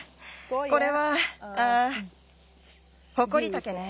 これはあホコリタケね。